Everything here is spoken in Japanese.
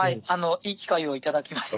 いい機会を頂きました。